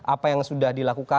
apa yang sudah dilakukan